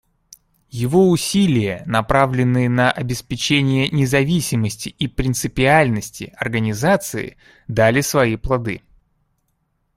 Его усилия, направленные на обеспечение независимости и принципиальности Организации, дали свои плоды.